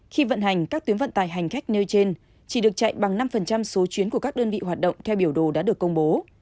khi vận hành các tuyến vận tải hành khách nêu trên chỉ được chạy bằng năm số chuyến của các đơn vị hoạt động theo biểu đồ đã được công bố